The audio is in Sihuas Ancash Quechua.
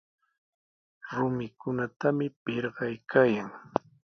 Rumikunatami pirqaykaayan.